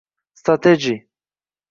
strategy